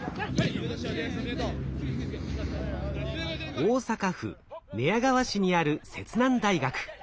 大阪府寝屋川市にある摂南大学。